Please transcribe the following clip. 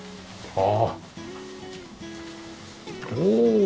ああ。